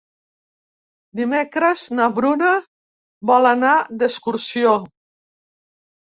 Dimecres na Bruna vol anar d'excursió.